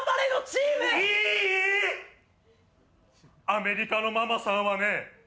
アメリカのママさんはね